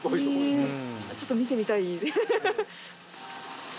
ちょっと見てみたい。